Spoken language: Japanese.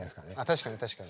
確かに確かに。